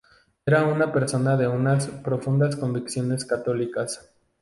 Era una persona de unas profundas convicciones católicas.